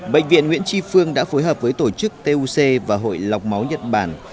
bệnh viện nguyễn tri phương đã phối hợp với tổ chức toc và hội lọc máu nhật bản